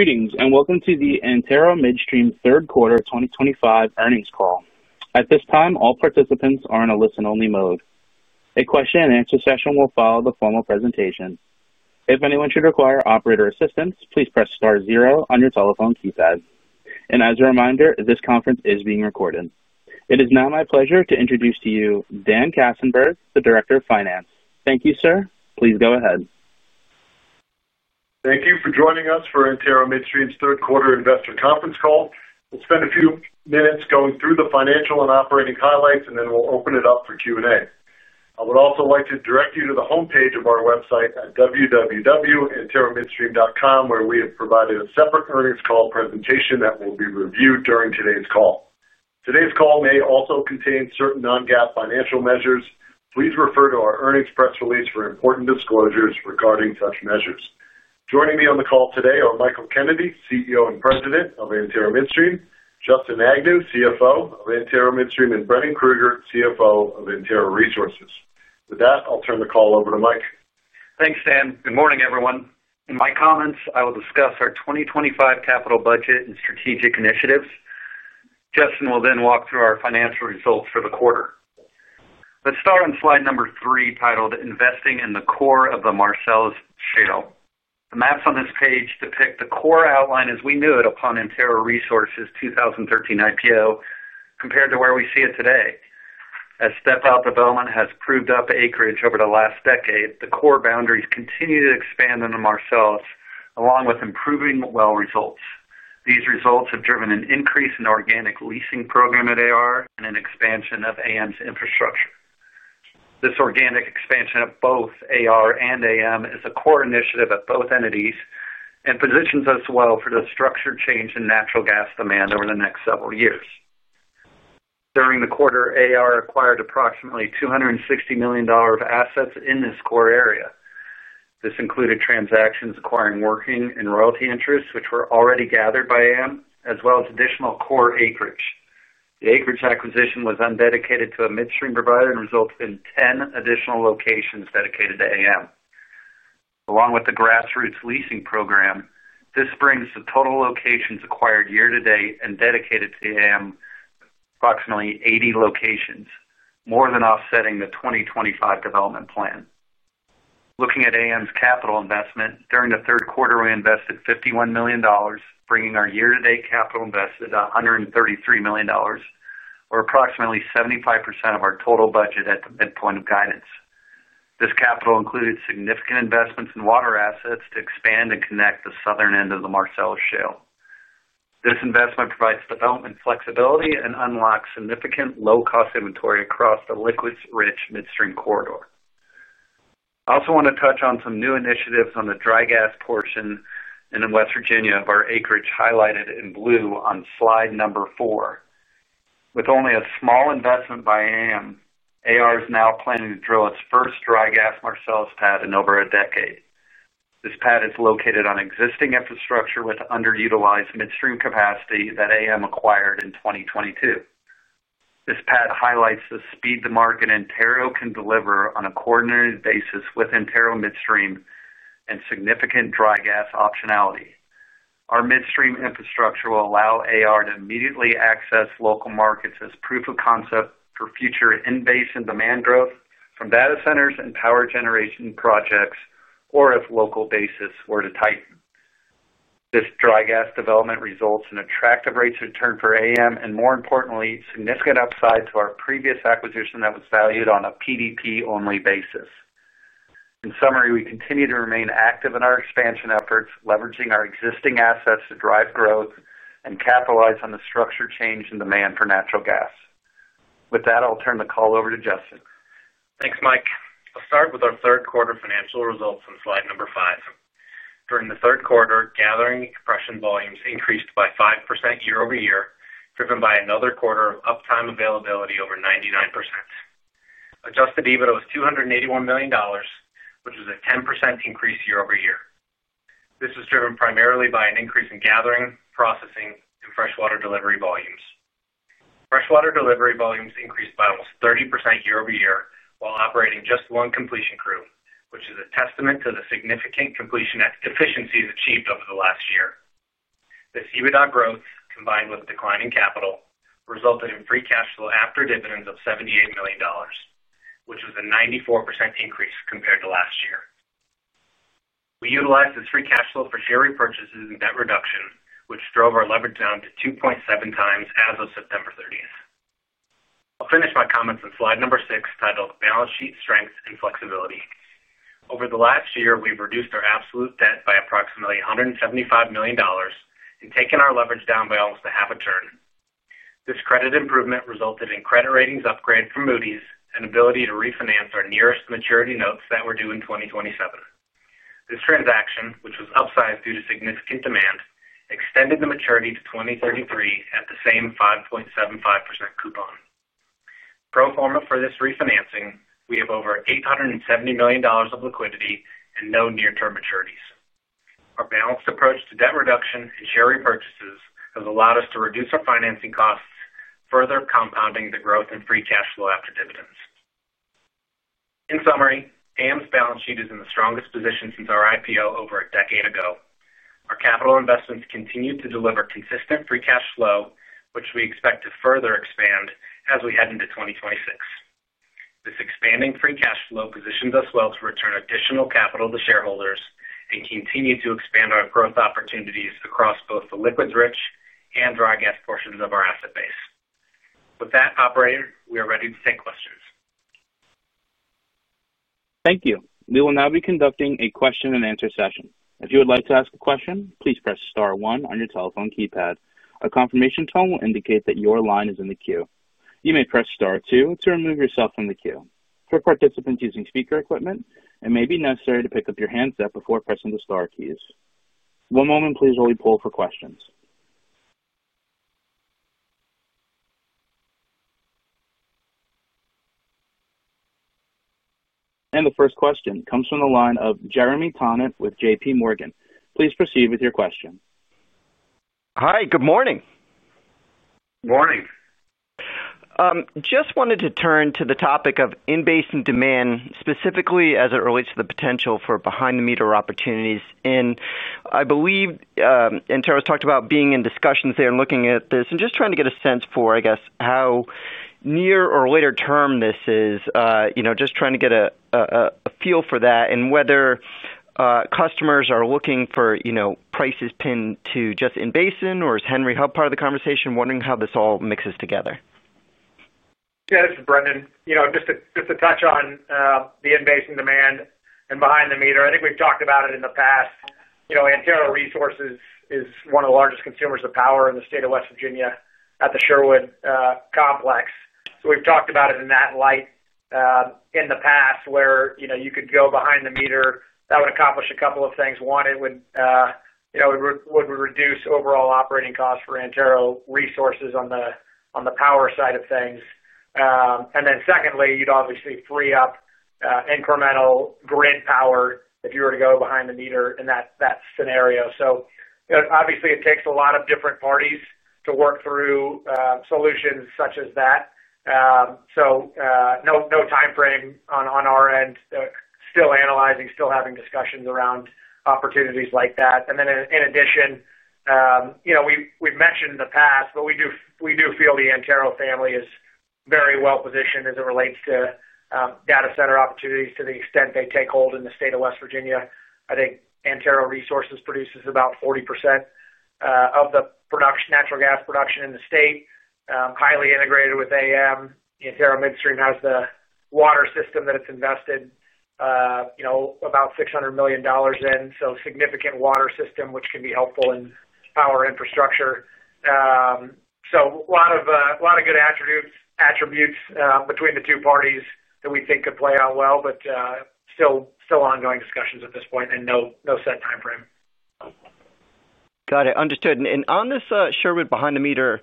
Greetings and welcome to the Antero Midstream third quarter 2025 earnings call. At this time, all participants are in a listen-only mode. A question-and-answer session will follow the formal presentation. If anyone should require operator assistance, please press star zero on your telephone keypad. As a reminder, this conference is being recorded. It is now my pleasure to introduce to you Dan Katzenberg, the Director of Finance. Thank you, sir. Please go ahead. Thank you for joining us for Antero Midstream's third quarter investor conference call. We'll spend a few minutes going through the financial and operating highlights, and then we'll open it up for Q&A. I would also like to direct you to the homepage of our website at www.anteromidstream.com, where we have provided a separate earnings call presentation that will be reviewed during today's call. Today's call may also contain certain non-GAAP financial measures. Please refer to our earnings press release for important disclosures regarding such measures. Joining me on the call today are Michael Kennedy, CEO and President of Antero Midstream, Justin Agnew, CFO of Antero Midstream, and Brendan Krueger, CFO of Antero Resources. With that, I'll turn the call over to Mike. Thanks, Dan. Good morning, everyone. In my comments, I will discuss our 2025 capital budget and strategic initiatives. Justin will then walk through our financials. Results for the quarter. Let's start on slide number three, titled Investing in the Core of the Marcellus Shale. The maps on this page depict the core outline as we knew it upon Antero Resources 2013 IPO compared to where we see it today. As step-out development has proved up acreage over the last decade, the core boundaries continue to expand on the Marcellus along with improving well results. These results have driven an increase in organic leasing program at AR and an expansion of AM's infrastructure. This organic expansion of both AR and AM is a core initiative at both entities and positions us well for the structural change in natural gas demand over the next several years. During the quarter, AR acquired approximately $260 million of assets in this core area. This included transactions acquiring working and royalty interest which were already gathered by AM, as well as additional core acreage. The acreage acquisition was undedicated to a midstream provider and resulted in 10 additional locations dedicated to AM along with the grassroots leasing program. This brings the total locations acquired year to date and dedicated to AM to approximately 80 locations, more than offsetting the 2025 development plan. Looking at AM's capital investment during the third quarter, we invested $51 million, bringing our year to date capital invested to $133 million or approximately 75% of our total budget. At the midpoint of guidance, this capital included significant investments in water assets to expand and connect the southern end of the Marcellus Shale. This investment provides development flexibility and unlocks significant low-cost inventory across the liquids-rich midstream corridor. I also want to touch on some. New initiatives on the dry gas portion in West Virginia of our acreage highlighted in blue on slide number four. With only a small investment by AM, AR is now planning to drill its first dry gas Marcellus pad in over a decade. This pad is located on existing infrastructure with underutilized midstream capacity that AM acquired in 2022. This pad highlights the speed the market Antero can deliver on a coordinated basis with Antero Midstream and significant dry gas optionality. Our midstream infrastructure will allow AR to immediately access local markets as proof of concept for future in-basin demand growth from data centers and power generation projects, or if local basis were to tighten. This dry gas development results in attractive rates of return for AM and, more importantly, significant upside to our previous acquisition that was valued on a PDP-only basis. In summary, we continue to remain active in our expansion efforts, leveraging our existing assets to drive growth and capitalize on the structural change in demand for natural gas. With that, I'll turn the call over to Justin. Thanks, Mike. I'll start with our third quarter financial results on slide number five. During the third quarter, gathering compression volumes increased by 5% year-over-year, driven by another quarter of uptime availability over 99%. Adjusted EBITDA was $281 million, which was a 10% increase year-over-year. This was driven primarily by an increase in gathering, processing, and freshwater delivery volumes. Freshwater delivery volumes increased by almost 30% year-over-year while operating just one completion crew, which is a testament to the significant completion efficiencies achieved over the last year. This EBITDA growth, combined with declining capital, resulted in free cash flow after dividends of $78 million, which was a 94% increase compared to last year. We utilized this free cash flow for share repurchases and debt reduction, which drove our leverage down to 2.7x as of September 30th. I'll finish my comments on slide number six titled Balance Sheet Strength and Flexibility. Over the last year, we've reduced our absolute debt by approximately $175 million and taken our leverage down by almost a half a turn. This credit improvement resulted in a credit ratings upgrade from Moody's and the ability to refinance our nearest maturity notes that were due in 2027. This transaction, which was upsized due to significant demand, extended the maturity to 2033 at the same 5.75% coupon. Pro forma for this refinancing, we have over $870 million of liquidity and no near-term maturities. Our balanced approach to debt reduction and share repurchases has allowed us to reduce our financing costs, further compounding the growth in free cash flow after dividends. In summary, AM's balance sheet is in the strongest position since our IPO over a decade ago. Our capital investments continue to deliver consistent free cash flow, which we expect to further expand as we head into 2026. This expanding free cash flow positions us well to return additional capital to shareholders and continue to expand our growth opportunities across both the liquids-rich and dry gas portions of our asset base. With that, operator, we are ready to take questions. Thank you. We will now be conducting a question-and-answer session. If you would like to ask a question, please press star one on your telephone keypad. A confirmation tone will indicate that your line is in the queue. You may press star two to remove yourself from the queue. For participants using speaker equipment, it may be necessary to pick up your handset before pressing the star keys. One moment please while we poll for questions. The first question comes from the line of Jeremy Tonet with JPMorgan. Please proceed with your question. Hi, good morning. Morning. Just wanted to turn to the topic of in-basin demand specifically as it relates to the potential for behind-the-meter opportunities. I believe Antero's talked about being in discussions there and looking at this, just trying to get a sense for how near or later term this is. Just trying to get a feel for that and whether customers are looking for prices pinned to just in-basin, or is Henry Hub part of the conversation, wondering how this all mixes together? Yeah, this is Brendan just to touch on the in-basin demand and behind-the-meter. I think we've talked about it in the past. You know, Antero Resources is one of the largest consumers of power in the state of West Virginia at the Sherwood Complex. We've talked about it in that light in the past where you could go behind-the-meter. That would accomplish a couple of things. One would reduce overall operating costs for Antero Resources on the power side of things. Secondly, you'd obviously free up incremental grid power if you were to go behind-the-meter in that scenario. Obviously, it takes a lot of different parties to work through solutions such as that. No timeframe on our end. Still analyzing, still having discussions around opportunities like that. In addition, we've mentioned in the past, but we do feel the Antero family is very well positioned as it relates to data center opportunities to the extent they take hold in the state of West Virginia. I think Antero Resources produces about 40% of the natural gas production in the state. Highly integrated with AM, has the water system that it's invested about $600 million in. Significant water system which can be helpful in power infrastructure. A lot of good attributes between the two parties that we think could play out well. Still ongoing discussions at this point and no set timeframe. Understood. On this Sherwood behind-the-meter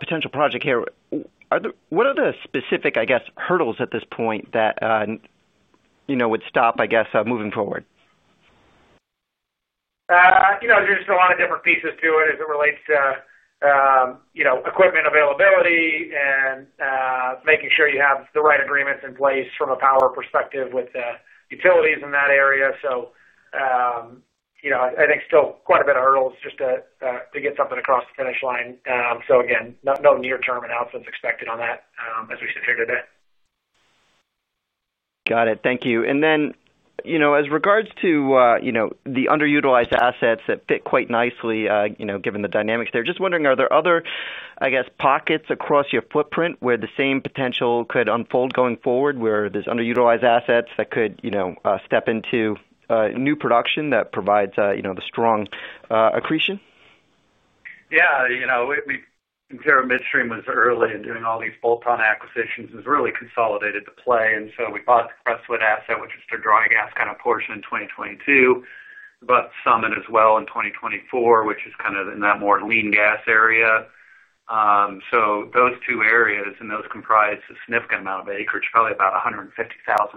potential project here, what are the specific, I guess, hurdles at this point that would stop moving forward? There are a lot of different pieces to it as it relates to equipment availability and making sure you have the right agreements in place from a power perspective with utilities in that area. I think there are still quite a bit of hurdles just to get something across the finish line. No near term announcements are expected. On that as we sit here today. Got it, thank you. As regards to the underutilized assets that fit quite nicely given the dynamics there, just wondering, are there other pockets across your footprint where the same potential could unfold going forward where there's underutilized assets that could step into new production that provides, you know, the strong accretion? Yeah, you know, Antero Midstream was early and doing all these bolt-on acquisitions has really consolidated the play. We bought the Crestwood asset, which is the dry gas kind of portion in 2022, bought Summit as well in 2024, which is kind of in that more lean gas area. Those two areas comprise a significant amount of acreage. Probably about 150,000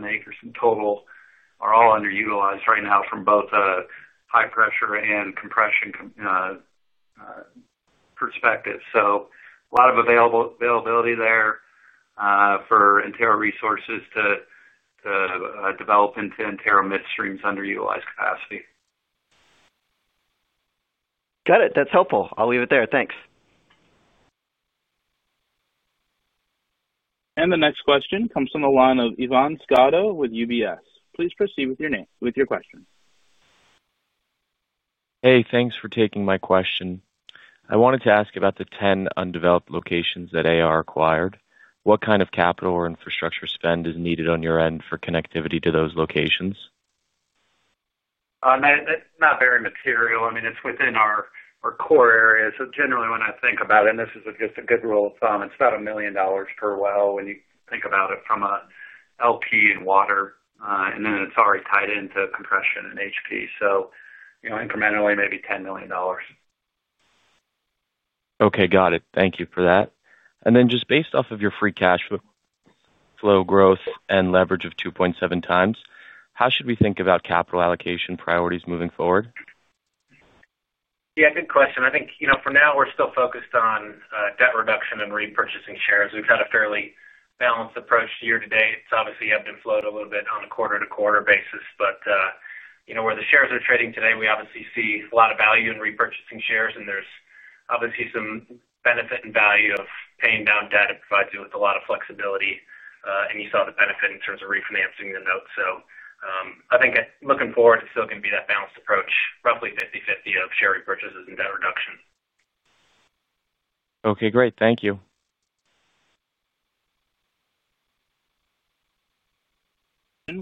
acres in total are all underutilized right now from both a high-pressure and compression perspective. There is a lot of availability there for Antero Resources to develop into Antero Midstream's underutilized capacity. Got it. That's helpful. I'll leave it there, thanks. The next question comes from the line of Ivan Scotto from UBS. Please proceed with your question. Hey, thanks for taking my question. I wanted to ask about the 10 undeveloped locations that AR acquired. What kind of capital or infrastructure spend is needed on your end for connectivity to those locations? Not very material. I mean it's within our core areas. Generally when I think about it, and this is just a good rule of thumb, it's about $1 million per well when you think about it from a LP and water and then it's already tied into compression and HP. You know, incrementally maybe $10 million. Okay, got it. Thank you for that. Just based off of your free cash flow growth and leverage of 2.7x, how should we think about capital allocation priorities moving forward? Yeah, good question. I think, for now we're still focused on debt reduction and repurchasing shares. We've had a fairly balanced approach year to date. It's obviously ebbed and flowed a little bit on a quarter to quarter basis. Where the shares are trading today, we obviously see a lot of value in repurchasing shares and there's obviously some benefit and value of paying down debt. It provides you with a lot of flexibility and you saw the benefit in terms of refinancing the note. I think looking forward it's still going to be that balanced approach, roughly 50/50 of share repurchases and debt reduction. Okay, great, thank you.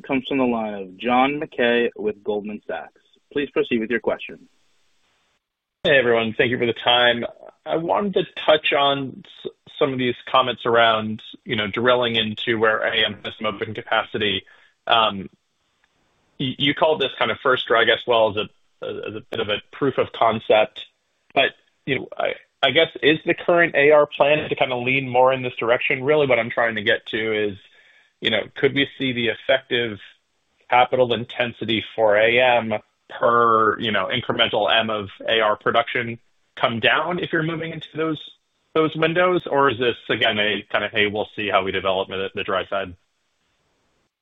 Comes from the line of John Mackay with Goldman Sachs. Please proceed with your question. Hey everyone, thank you for the time. I wanted to touch on some of these comments around drilling into where Antero Midstream has some open capacity. You called this kind of first drag as well as a bit of a proof of concept, but I guess is the. Current AR plan to kind of lean. Really what I'm trying to get to is, you know, could we see the effective capital intensity for AM per incremental m of AR production come down if you're moving into those windows, or is this again a kind of, hey, we'll see how we develop the dry side.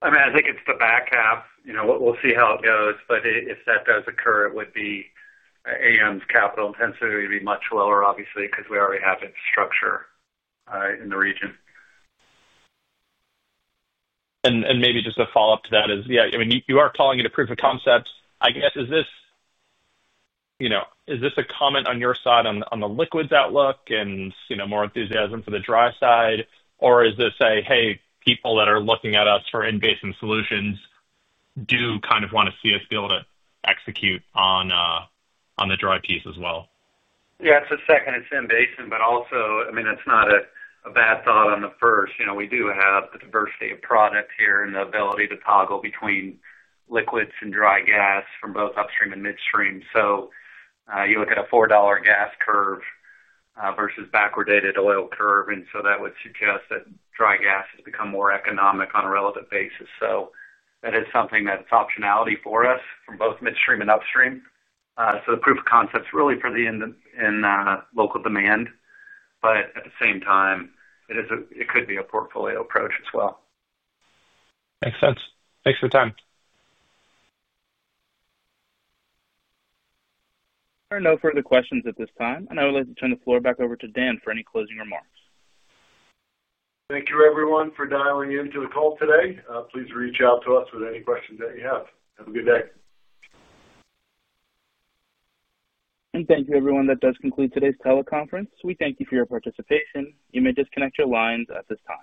I think it's the back half, you know, we'll see how it goes. If that does occur, it would be. AM's capital intensity would be much lower, obviously, because we already have infrastructure in the region. Maybe just a follow up to that is, yeah, I mean you are calling it a proof of concept, I guess. Is this, you know, is this a comment on your side on the liquids outlook and, you know, more enthusiasm for the dry side, or is this a, hey, people that are looking at us for in basin solutions do kind of want to see us be able to execute on the dry piece as well? Yeah, it's the second, it's in basin but also, I mean, it's not a bad thought on the first. You know, we do have the diversity of product here and the ability to toggle between liquids and dry gas from both upstream and midstream. You look at a $4 gas curve versus backward dated oil curve, and that would suggest that dry gas has become more economic on a relative basis. That is something that's optionality for us from both midstream and upstream. The proof of concept is really for the in local demand, but at the same time, it could be a portfolio approach as well. Makes sense. Thanks for your time. There are no further questions at this time, and I would like to turn the floor back over to Dan for any closing remarks. Thank you everyone for dialing into the call today. Please reach out to us with any questions that you have. Have a good day. Thank you everyone, that does conclude today's teleconference. We thank you for your participation. You may disconnect your lines at this time.